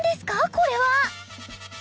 これは！！